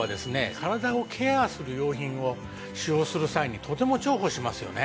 体をケアする用品を使用する際にとても重宝しますよね。